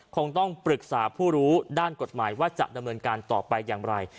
คงต้องปรึกษาผู้รู้ด้านกฎหมายว่าจะดำเนินการต่อไปอย่างไร